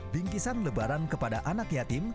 bingkisan lebaran kepada anak yatim